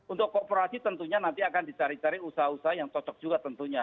untuk kooperasi tentunya nanti akan dicari cari usaha usaha yang cocok juga tentunya